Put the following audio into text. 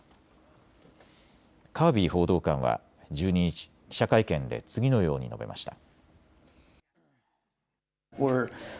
カービー報道官は１２日、記者会見で次のように述べました。